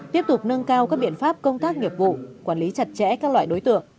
tiếp tục nâng cao các biện pháp công tác nghiệp vụ quản lý chặt chẽ các loại đối tượng